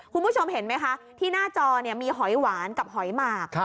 คุณผู้ชมเห็นไหมคะที่หน้าจอมีหอยหวานกับหอยหมาก